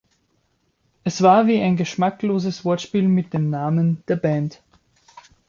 Es war wie ein geschmackloses Wortspiel mit dem Namen der Band.